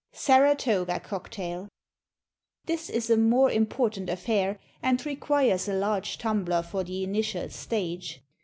Saratoga Cocktail. This is a more important affair, and requires a large tumbler for the initial stage.